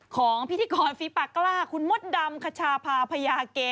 ของพิธีกรฟีปากกล้าคุณมดดำคชาพาพญาเก